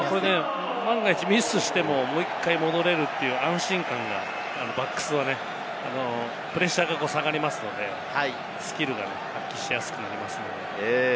万が一ミスしても、もう１回戻れるという安心感がバックスはね、プレッシャーが下がりますので、スキルが発揮しやすくなります。